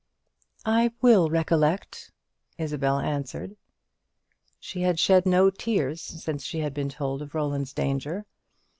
"I will recollect," Isabel answered. She had shed no tears since she had been told of Roland's danger.